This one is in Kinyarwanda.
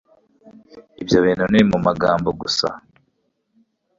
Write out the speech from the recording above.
Ibyo bintu ni mu magambo gusa